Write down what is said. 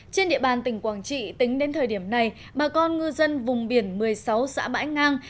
trên địa bàn tỉnh quảng trị tính đến thời điểm này bà con ngư dân vùng biển một mươi sáu xã bãi ngang